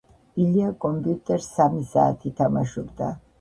ილია კომპიუტერს სამი საათი თამაშობდა.